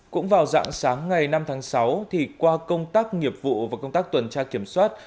cũng vào dạng sáng ngày năm tháng sáu qua công tác nghiệp vụ và công tác tuần tra kiểm soát